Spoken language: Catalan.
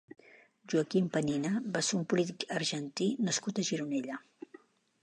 Joaquim Penina va ser un polític argentí nascut a Gironella.